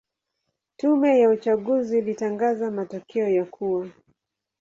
Tume ya uchaguzi ilitangaza matokeo ya kuwa